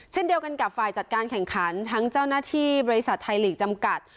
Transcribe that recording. เช่นเดียวกันกับฝ่ายจัดการแข่งขันทั้งเจ้าหน้าที่บริษัทไทยลีกจำกัด